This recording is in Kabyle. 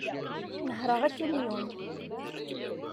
Nehhreɣ akamyun.